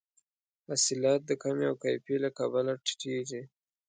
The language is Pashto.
حاصلات د کمې او کیفي له کبله ټیټیږي.